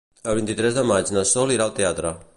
El vint-i-tres de maig na Sol irà al teatre.